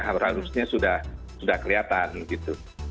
harusnya sudah kelihatan gitu